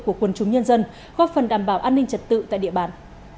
của quân chúng nhân dân góp phần đảm bảo an ninh trật tự tại địa bàn